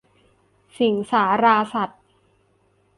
สิงห์สาราสัตว์